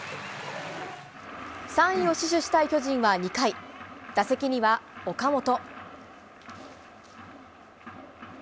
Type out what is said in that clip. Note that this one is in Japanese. ３位を死守したい巨人は２回、打席には岡本。